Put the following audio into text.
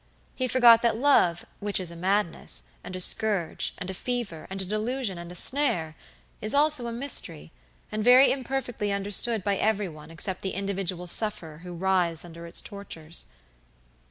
He forgot that love, which is a madness, and a scourge, and a fever, and a delusion, and a snare, is also a mystery, and very imperfectly understood by everyone except the individual sufferer who writhes under its tortures.